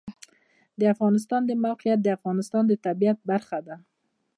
د افغانستان د موقعیت د افغانستان د طبیعت برخه ده.